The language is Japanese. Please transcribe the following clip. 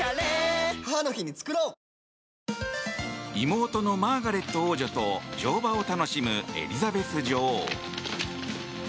妹のマーガレット王女と乗馬を楽しむエリザベス女王。